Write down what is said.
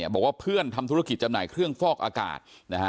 บอกว่าเพื่อนทำธุรกิจจำหน่ายเครื่องฟอกอากาศ